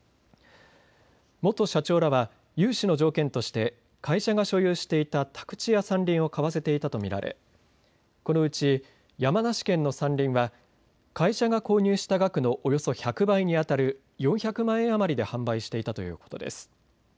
元社長らは融資の条件として会社が所有していた宅地や山林を買わせていたと見られこのうち山梨県の山林は会社が購入した額のおよそ１００倍にあたる４００万円余りで販売していたということです。